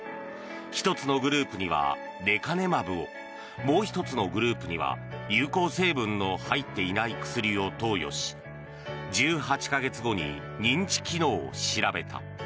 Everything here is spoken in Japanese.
１つのグループにはレカネマブをもう１つのグループには有効成分の入っていない薬を投与し１８か月後に認知機能を調べた。